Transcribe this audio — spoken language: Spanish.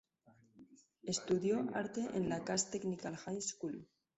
Estudió arte en la Cass Technical High School.